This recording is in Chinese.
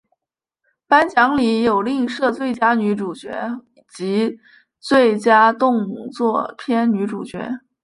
颁奖礼有另设最佳女主角及最佳动作片女主角。